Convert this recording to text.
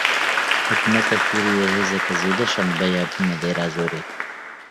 Hikûmeta Sûriyê hêzeke zêde şand beyabana Dêrezorê.